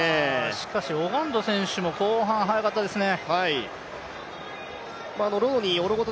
しかしオガンド選手も後半速かったですね。